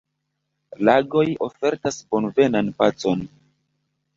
Lagoj ofertas bonvenan pacon.